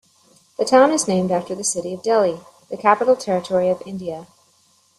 The town is named after the city of Delhi, the capital territory of India.